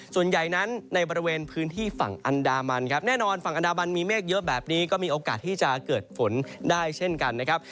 ส่วนใหญ่นั้นในบริเวณพื้นที่ฝั่งอันดามันครับแน่นอนฝั่งอันดามันมีเมฆเยอะแบบนี้ก็มีโอกาสที่จะเกิดฝนได้เช่นกันนะครับ